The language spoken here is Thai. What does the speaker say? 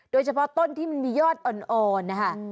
โดยเฉพาะต้นที่มันมียอดอ่อนนะคะ